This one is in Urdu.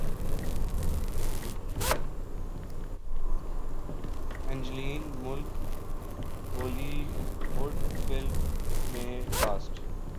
Angeline Malik Hollywood film میں کاسٹ